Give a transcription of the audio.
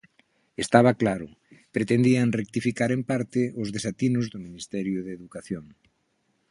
Estaba claro: pretendían rectificar en parte os desatinos do Ministerio de Educación.